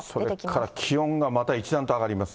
それから気温がまた一段と上がります。